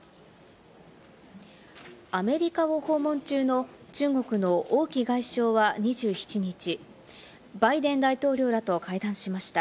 アメリカを訪問中の中国のオウ・キ外相は２７日、バイデン大統領らと会談しました。